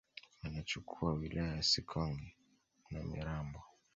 wanachukua wilaya ya Sikonge na Mirambo